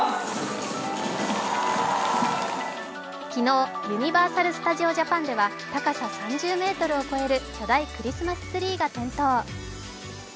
昨日、ユニバーサル・スタジオ・ジャパンでは高佐３０ｍを超える巨大クリスマスツリーが点灯。